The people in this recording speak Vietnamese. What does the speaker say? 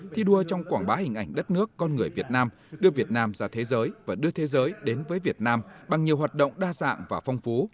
thi đua trong quảng bá hình ảnh đất nước con người việt nam đưa việt nam ra thế giới và đưa thế giới đến với việt nam bằng nhiều hoạt động đa dạng và phong phú